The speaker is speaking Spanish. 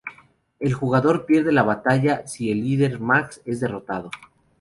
El jugador pierde la batalla si el líder, Max, es derrotado.